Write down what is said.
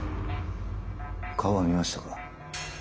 顔は見ましたか？